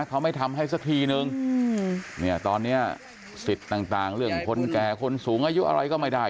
เขาไม่ทำให้สักทีนึงเนี่ยตอนเนี้ยสิทธิ์ต่างเรื่องคนแก่คนสูงอายุอะไรก็ไม่ได้